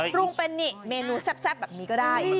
ปรุงเป็นเมนูแซ่บแบบนี้ก็ได้